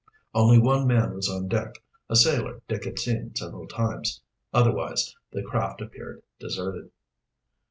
Only one man was on deck, a sailor Dick had seen several times. Otherwise the craft appeared deserted.